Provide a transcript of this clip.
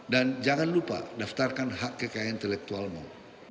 dan jangan lupa daftarkan hak kekayaan intelektualmu